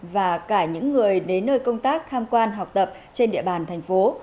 và cả những người đến nơi công tác tham quan học tập trên địa bàn thành phố